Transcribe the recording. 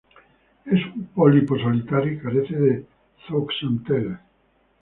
Es un pólipo solitario y carece de zooxantelas.